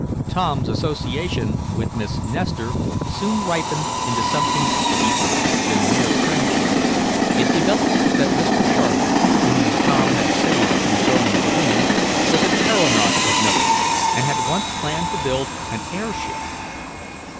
Tom's association with Miss Nestor soon ripened into something deeper than mere friendship. It developed that Mr. Sharp, whom Tom had saved from the burning balloon, was an aeronaut of note, and had once planned to build an airship.